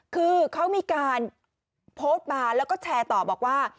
คือเขามีการโพสต์มาแล้วก็แชร์ต่อบอกว่า